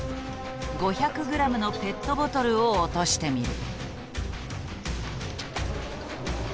５００グラムのペットボトルを落としてみる。